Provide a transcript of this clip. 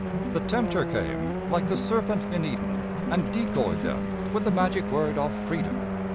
The tempter came, like the serpent in Eden, and decoyed them with the magic word of "freedom."